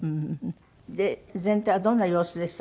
で全体はどんな様子でしたか？